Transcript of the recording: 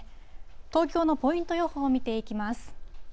東京のポイント予報を見ていきます。